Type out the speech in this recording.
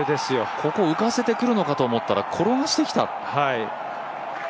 ここ、浮かせてくるのかと思ったら転がしてきた。